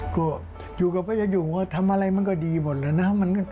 ก็อยู่กับพระยักษ์อยู่ว่าทำอะไรมันก็ดีหมดเลยนะ